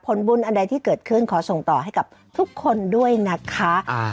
ผลบุญอันใดที่เกิดขึ้นขอส่งต่อให้กับทุกคนด้วยนะคะ